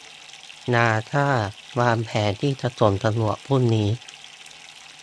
นาซ่าวางแผนที่จะส่งจรวดพรุ่งนี้